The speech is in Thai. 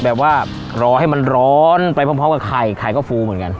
แบบว่ารอให้มันร้อนไปพร้อมกับไข่ไข่ก็ฟูเหมือนกัน